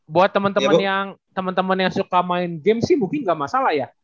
buat temen temen yang suka main game sih mungkin gak masalah ya